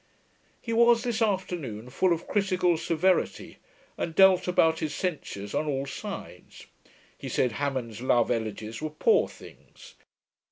He was this afternoon full of critical severity, and dealt about his censures on all sides. He said, Hammond's Love Elegies were poor things.